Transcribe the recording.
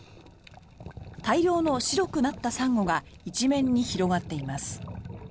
大量の白くなったサンゴが一面に広がっています。